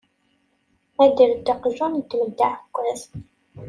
Dder-d aqjun, ddem-d aɛekkaz!